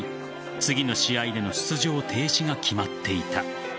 次の試合での出場停止が決まっていた。